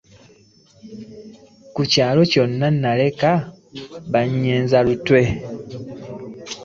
Ku kyalo kyonna naleka bannyeenyeza mutwe.